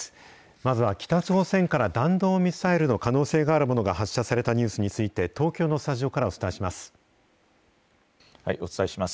まずは北朝鮮から弾道ミサイルの可能性があるものが発射されたニュースについて、東京のスタジオからお伝えします。